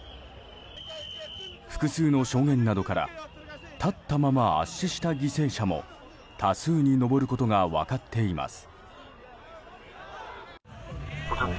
複数の証言などから立ったまま圧死した犠牲者も多数に上ることが分かっています。